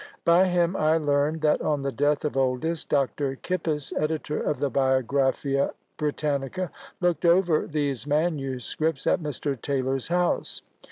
By him I learn, that on the death of Oldys, Dr. Kippis, editor of the Biographia Britannica, looked over these manuscripts at Mr. Taylor's house.